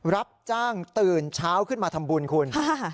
รับจ้างตื่นเช้าขึ้นมาทำบุญคุณ